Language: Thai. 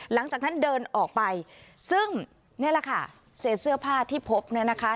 หลังจากนั้นเดินออกไปซึ่งนี่แหละค่ะเศษเสื้อผ้าที่พบเนี่ยนะคะ